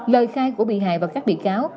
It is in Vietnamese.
lời khai của bị hại và các bị cáo